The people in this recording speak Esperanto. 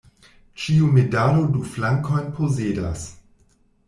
Ĉiu medalo du flankojn posedas.